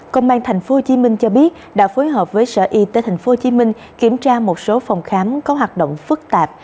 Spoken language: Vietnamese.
công an tp hcm cho biết đã phối hợp với sở y tế tp hcm kiểm tra một số phòng khám có hoạt động phức tạp